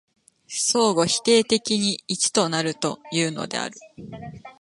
相互否定的に一となるというのである。